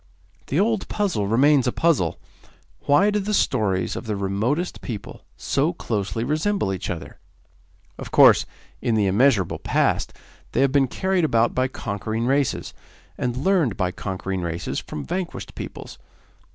The old puzzle remains a puzzle why do the stories of the remotest people so closely resemble each other? Of course, in the immeasurable past, they have been carried about by conquering races, and learned by conquering races from vanquished peoples.